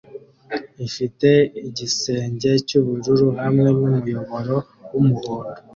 ifite igisenge cyubururu hamwe numuyoboro wumuhondo